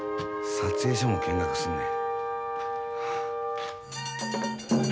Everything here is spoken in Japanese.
撮影所も見学すんねん。